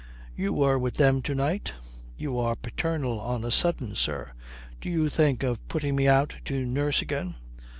"You were with them to night?" "You are paternal on a sudden, sir. Do you think of putting me out to nurse again?"